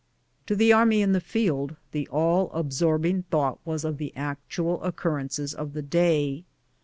To the army in the field, the all absorbing thought was of the actual occurrences of the day.